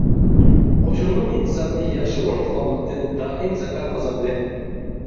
قوشۇنىنىڭ ئىنتىزامى ياخشى ئورنىتىلغانلىقتىن دائىم زەپەر قازاندى.